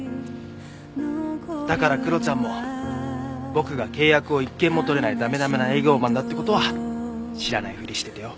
だからクロちゃんも僕が契約を１件もとれない駄目駄目な営業マンだって事は知らないふりしててよ。